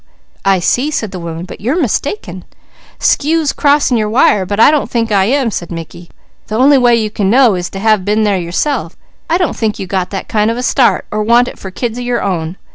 "I see," said the woman. "But you're mistaken " "'Scuse crossing your wire, but I don't think I am," said Mickey. "The only way you can know, is to have been there yourself. I don't think you got that kind of a start, or want it for kids of your own.